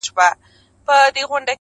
ځان د يو پارسا لمن کښې واچوه